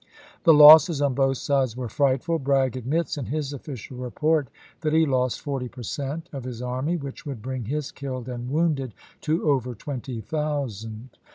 The losses on both sides were frightful. Bragg admits, in his official report, that he lost forty per cent, of his army, which would bring his killed and wounded to over twenty thousand.